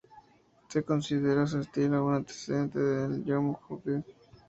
Se considera su estilo un antecedente del de Jaume Huguet.